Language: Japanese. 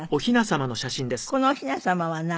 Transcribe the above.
このおひなさまは何？